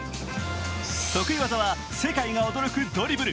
得意技は世界が驚くドリブル。